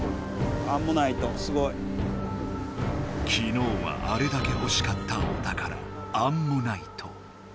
きのうはあれだけほしかったお宝アンモナイト。